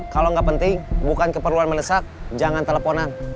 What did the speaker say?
kalau nggak penting bukan keperluan melesak jangan teleponan